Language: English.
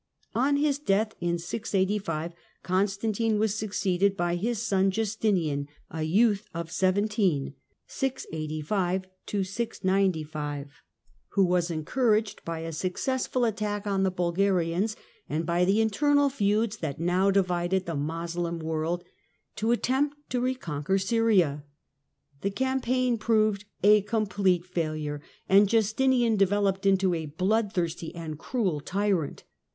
Justinian, On his death, in 685, Constantine was succeeded by his son Justinian, a youth of seventeen, who was en 686495 THE RISE OF MOHAMMEDANISM 79 couraged by a successful attack on the Bulgarians, and by the internal feuds that now divided the Moslem world, to attempt to reconquer Syria. The campaign proved a complete failure, and Justinian developed into a bloodthirsty and cruel tyrant.